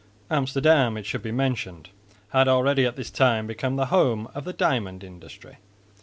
Amsterdam, it should be mentioned, had already at this time become the home of the diamond industry.